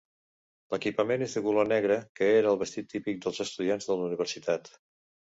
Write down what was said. L'equipament és de color negre, que era el vestit típic dels estudiants de la universitat.